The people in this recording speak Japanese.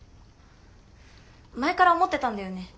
前から思ってたんだよね。